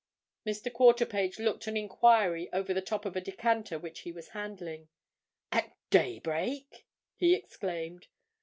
Mr. Quarterpage looked an enquiry over the top of a decanter which he was handling. "At daybreak?" he exclaimed.